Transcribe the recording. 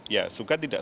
ya suka tidak